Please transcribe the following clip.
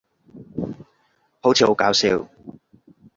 好似好搞笑